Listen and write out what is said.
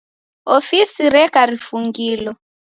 Ofisi reka rifungilo.